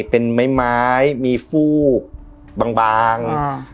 เป็นไม้มีฟูกบาง